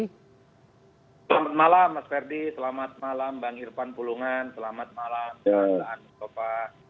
selamat malam mas ferdi selamat malam bang irfan pulungan selamat malam bang saan mustafa